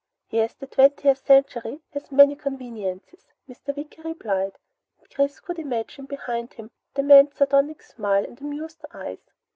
"Yes, the twentieth century has many conveniences," Mr. Wicker replied, and Chris could imagine, behind him, the man's sardonic smile and amused eyes.